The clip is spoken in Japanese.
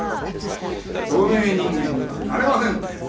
透明人間にはなれませんって。